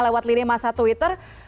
lewat lini masa twitter